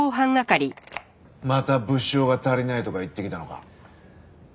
また物証が足りないとか言ってきたのか。